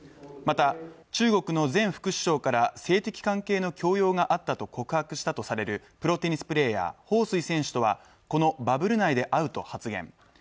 また、中国の前副首相から性的関係の強要があったと告白したとされるプロテニスプレーヤー、彭帥選手とは、このバブル内で会うと発言。